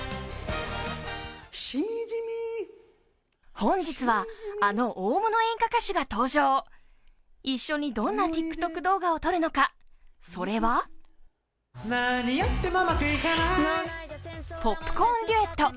本日は、あの大物演歌歌手が登場一緒にどんなＴｉｋＴｏｋ動画を撮るのか、それはポップコーンデュエット。